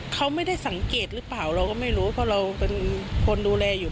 เขาไม่ได้สังเกตหรือเปล่าเราก็ไม่รู้เพราะเราเป็นคนดูแลอยู่